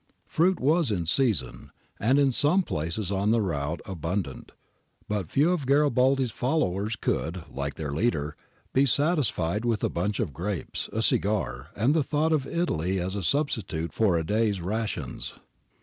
Fruit was in season, and in some places on the route abundant ; but few of Garibaldi's followers could, like their leader, be satisfied with a bunch of grapes, a cigar, and the thought of Italy as a substitute for a day's rations.